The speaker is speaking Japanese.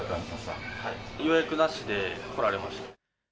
予約なしで来られました。